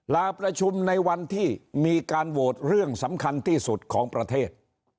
ลาประชุมในวันที่มีการโหวตเรื่องสำคัญที่สุดของประเทศ